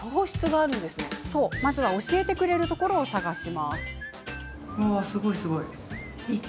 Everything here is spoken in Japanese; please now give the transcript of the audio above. まずは教えてくれるところを探します。